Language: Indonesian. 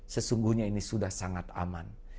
sesungguhnya ini sudah sangat aman